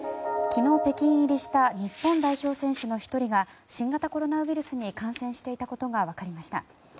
昨日、北京入りした日本代表選手の１人が新型コロナウイルスに感染していたことが分かりました。